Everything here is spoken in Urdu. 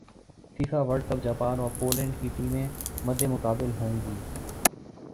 فیفا ورلڈ کپ جاپان اور پولینڈ کی ٹیمیں مدمقابل ہوں گی